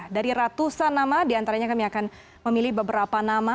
dari ratusan nama diantaranya kami akan memilih beberapa nama